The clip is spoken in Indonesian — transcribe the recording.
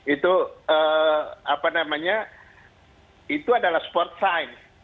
itu apa namanya itu adalah sport science